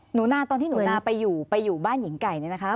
หนูนาตอนที่หนูนาไปอยู่ไปอยู่บ้านหญิงไก่เนี่ยนะคะ